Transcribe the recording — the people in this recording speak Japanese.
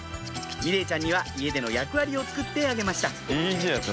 美玲ちゃんには家での役割を作ってあげました